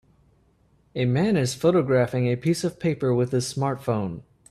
A man is photographing a piece of paper with his smartphone.